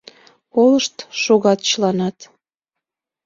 Колышт шогат чыланат...